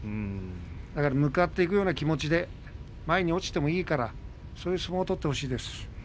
だから向かっていくような気持ちで前に落ちてもいいから、そういう相撲を取ってほしいです。